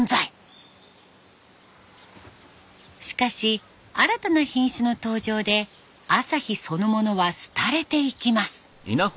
しかし新たな品種の登場で旭そのものは廃れていきます。